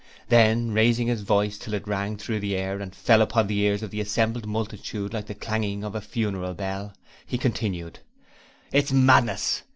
Then, raising his voice till it rang through the air and fell upon the ears of the assembled multitude like the clanging of a funeral bell, he continued: 'It is madness!